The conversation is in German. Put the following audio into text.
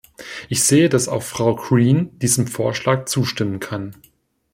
Ich sehe, dass auch Frau Green diesem Vorschlag zustimmen kann.